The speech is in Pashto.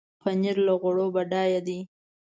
پنېر له غوړو بډایه دی.